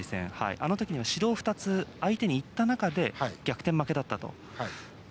あの時には指導２つ相手に行った中で逆転負けだったと。